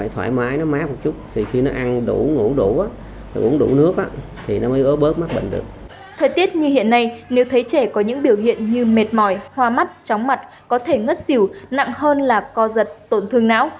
thời tiết như hiện nay nếu thấy trẻ có những biểu hiện như mệt mỏi hoa mắt tróng mặt có thể ngất xỉu nặng hơn là co giật tổn thương não